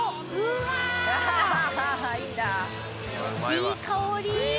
いい香り